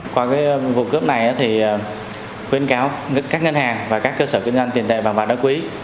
qua vụ cướp này khuyên cáo các ngân hàng và các cơ sở kinh doanh tiền tệ bằng vạt đá quý